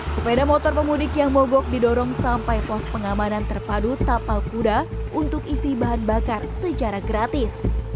sepeda motor pemudik yang mogok didorong sampai pos pengamanan terpadu tapal kuda untuk isi bahan bakar secara gratis